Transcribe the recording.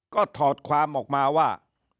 ก็ถอดความออกมาว่า